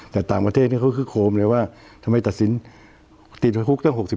แต่ต่างประเทศเขาคือโคมเลยว่าทำไมตัดสินติดคุกตั้ง๖๔